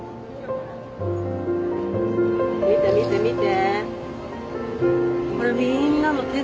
見て見て見て。